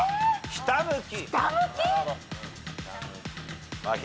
「ひたむき」！？